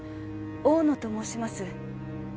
大野と申します。